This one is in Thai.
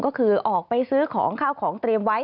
ก็คือออกไปซื้อของข้าวของเตรียมไว้